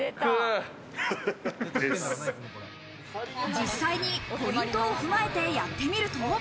実際にポイントを踏まえてやってみると。